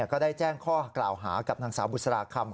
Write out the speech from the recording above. ก็ได้แจ้งข้อกล่าวหากับนางสาวบุษราคำ